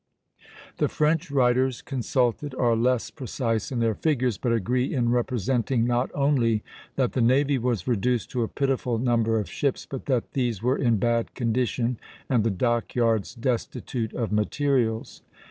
The French writers consulted are less precise in their figures, but agree in representing not only that the navy was reduced to a pitiful number of ships, but that these were in bad condition and the dock yards destitute of materials.